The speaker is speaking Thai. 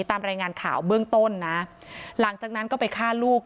ตามรายงานข่าวเบื้องต้นนะหลังจากนั้นก็ไปฆ่าลูก